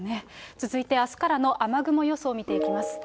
続いてあすからの雨雲予想を見ていきます。